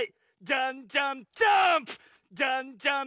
じゃんじゃん！